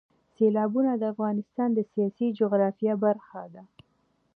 سیلابونه د افغانستان د سیاسي جغرافیه برخه ده.